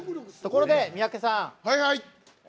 ところで、三宅さん